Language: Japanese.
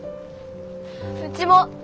うちも！